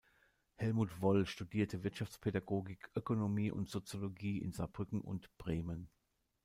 Helmut Woll studierte Wirtschaftspädagogik, Ökonomie und Soziologie in Saarbrücken und Bremen.